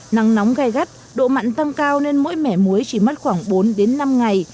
nắng nóng gai gắt độ mặn tăng cao nên mỗi mẻ muối chỉ mất khoảng bốn đến năm ngày